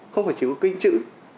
không phải chỉ có cái kênh chữ